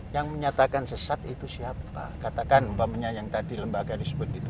yang menyatakan sesat itu siapa katakan umpamanya yang tadi lembaga disebut itu